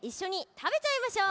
たべちゃいましょう！